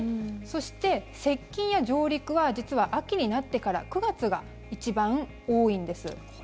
そして、接近や上陸は実は秋になってから９月が一番多いんです。